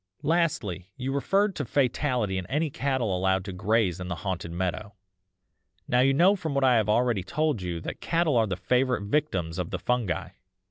"'Lastly, you referred to fatality in any cattle allowed to graze in the haunted meadow. Now you know from what I have already told you that cattle are the favourite victims of the fungi.